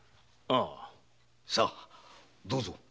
さどうぞ。